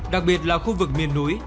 đặc biệt là khu vực miền núi